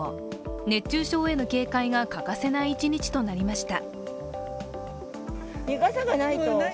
熱中症への警戒が欠かせない一日となりました。